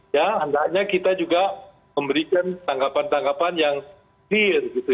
ya andanya kita juga memberikan tanggapan tanggapan yang clear